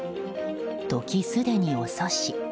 時すでに遅し。